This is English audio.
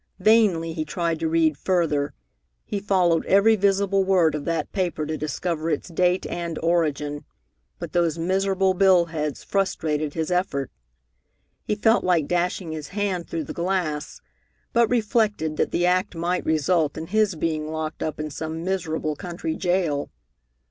Vainly he tried to read further. He followed every visible word of that paper to discover its date and origin, but those miserable bill heads frustrated his effort. He felt like dashing his hand through the glass, but reflected that the act might result in his being locked up in some miserable country jail.